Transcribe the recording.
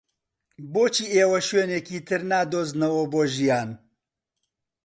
بۆچی ئێوە شوێنێکی تر نادۆزنەوە بۆ ژیان؟